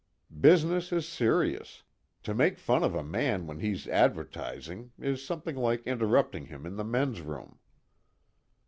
Business is serious: to make fun of a man when he's advertising is something like interrupting him in the men's room.